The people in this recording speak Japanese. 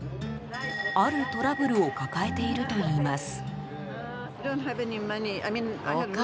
あるトラブルを抱えているといいます。